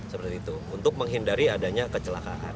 seperti itu untuk menghindari adanya kecelakaan